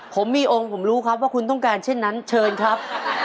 ผมมีองค์ผมรู้ครับว่าคุณต้องการเช่นนั้นเชิญครับ